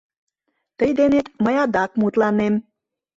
Тый денет мый адак мутланем